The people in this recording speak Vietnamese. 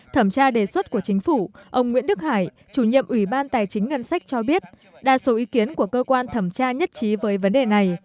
thẩm tra đề xuất của chính phủ ông nguyễn đức hải chủ nhiệm ủy ban tài chính ngân sách cho biết đa số ý kiến của cơ quan thẩm tra nhất trí với vấn đề này